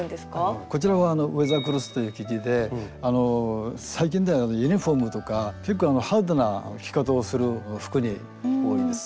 こちらはウェザークロスという生地で最近ではユニフォームとか結構ハードな着方をする服に多いです。